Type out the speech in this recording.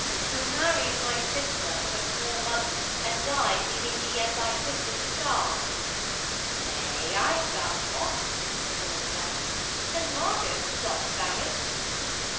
'Who married my sister for her small money, and died leaving thee and thy sister to starve.' 'Nay, I starve not,' the boy said. 'And Margot's a plump faggot.'